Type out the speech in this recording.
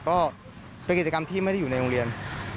ก็เป็นกิจกรรมที่ไม่ได้อยู่ในโรงเรียน